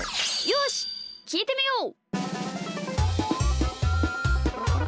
よしきいてみよう！